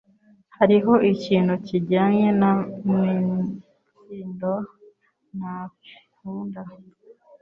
Hariho ikintu kijyanye na Mitsindo ntakunda